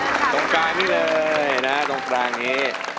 เชิญครับตรงกลางนี้เลยนะตรงกลางนี้